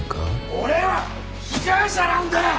俺は被害者なんだよ！